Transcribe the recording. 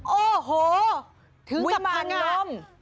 โอ้โหถึงกับพันธุ์อ่ะ